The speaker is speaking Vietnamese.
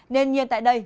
nên nhiên tại đây